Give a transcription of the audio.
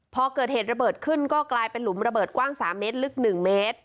พอเกิดเหตุระเบิดขึ้นก็กลายเป็นหลุมระเบิดกว้าง๓เมตรลึก๑เมตร